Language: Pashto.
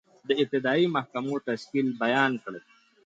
د ابتدائیه محاکمو تشکیل بیان کړئ؟